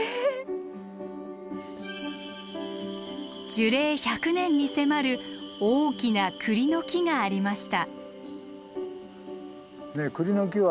樹齢１００年に迫る大きなクリの木がありました。